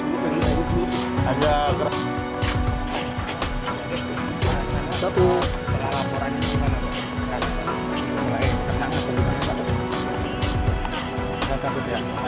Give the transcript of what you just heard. sudah saya sampaikan kepada buatan istrinya